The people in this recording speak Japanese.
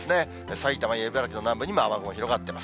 さいたま、茨城、南部にも雨雲広がってます。